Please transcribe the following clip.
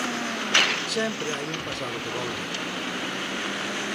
Sempre hai un pasado que volve.